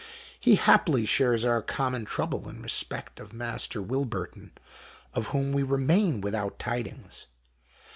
He haply shares our common trouble in respect of Master Wilburton, of whom we remain without tidings.